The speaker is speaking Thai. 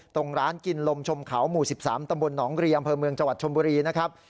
ตรงร้านกินลมชมเขาหมู่๑๓ตหนเวียงพมชมบุรีนะครับ